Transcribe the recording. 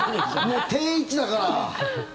もう定位置だから。